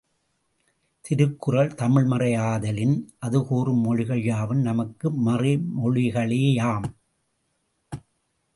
திருக்குறள் தமிழ் மறை ஆதலின், அது கூறும் மொழிகள் யாவும் நமக்கு மறை மொழிகளேயாம்.